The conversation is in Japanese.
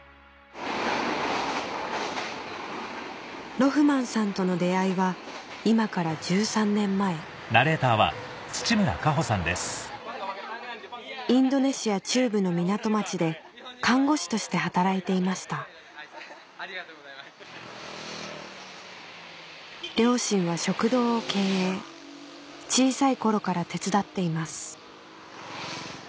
ロフマンさんとの出会いは今から１３年前インドネシア中部の港町で看護師として働いていました両親は食堂を経営小さい頃から手伝っています